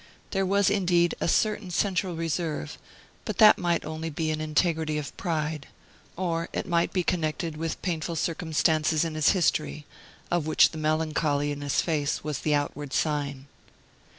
There was, indeed, a certain central reserve; but that might only he an integrity of pride; or it might be connected with painful circumstances in his history, of which the melancholy in his face was the outward sign.